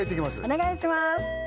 お願いします